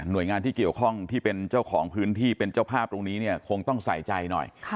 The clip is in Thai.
โดยงานที่เกี่ยวข้องที่เป็นเจ้าของพื้นที่เป็นเจ้าภาพตรงนี้เนี่ยคงต้องใส่ใจหน่อย